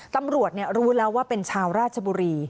ตำรวจรู้แล้วว่าเป็นชาวราชบุรี